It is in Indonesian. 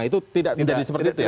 itu tidak menjadi seperti itu ya